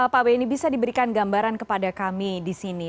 pak benny bisa diberikan gambaran kepada kami di sini